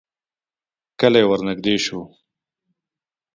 کلی ورنږدې شو.